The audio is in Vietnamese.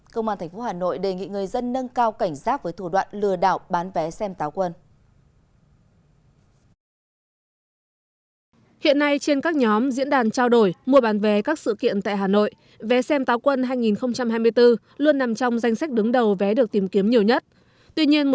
công an tp hà nội đề nghị người dân nâng cao cảnh giác với thủ đoạn lừa đảo bán vé xem táo quân